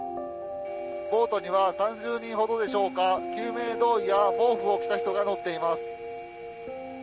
ボートには３０人ほどでしょうか救命胴衣や毛布を着た人が乗っています。